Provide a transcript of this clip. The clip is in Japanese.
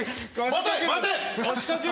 待て！